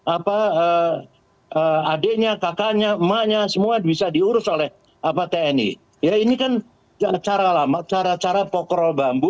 apa adiknya kakaknya emaknya semua bisa diurus oleh apa tni ya ini kan cara lama cara cara pokrol bambu